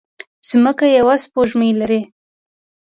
ځمکه يوه سپوږمۍ لري